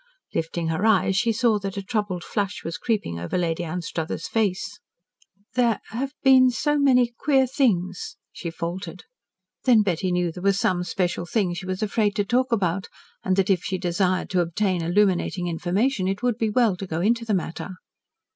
Lifting her eyes, she saw that a troubled flush was creeping over Lady Anstruthers' face. "There have been so many queer things," she faltered. Then Betty knew there was some special thing she was afraid to talk about, and that if she desired to obtain illuminating information it would be well to go into the matter.